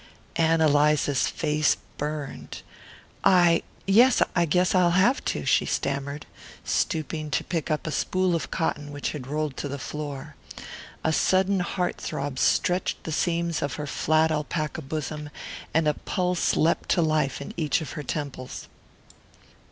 Ann Eliza's face burned. "I yes, I guess I'll have to," she stammered, stooping to pick up a spool of cotton which had rolled to the floor. A sudden heart throb stretched the seams of her flat alpaca bosom, and a pulse leapt to life in each of her temples.